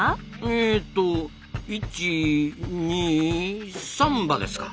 えと１２３羽ですか。